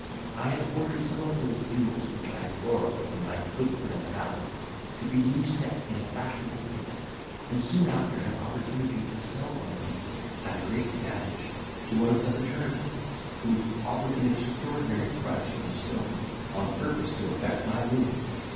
I had ordered some of those jewels which I had borrowed of my good friend Fathom to be new set in a fashionable taste, and soon after had an opportunity to sell one of these, at a great advantage, to one of the fraternity, who offered an extraordinary price for the stone, on purpose to effect my ruin.